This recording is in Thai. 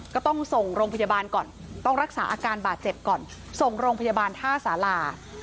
ก็ต้องส่งโรงพยาบาลก่อนต้องรักษาอาการบาดเจ็บก่อนส่งโรงพยาบาลท่าสารา